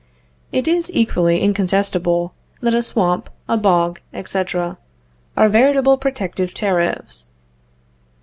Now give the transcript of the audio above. It is equally incontestable that a swamp, a bog, etc., are veritable protective tariffs.